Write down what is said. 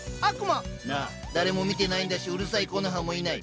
なあ誰も見てないんだしうるさいコノハもいない。